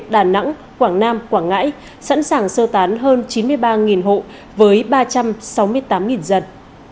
đà nẵng quảng nam quảng ngãi sẵn sàng sơ tán hơn chín mươi ba hộ với ba trăm sáu mươi tám dân